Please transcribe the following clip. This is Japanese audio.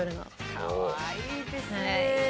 かわいいですね。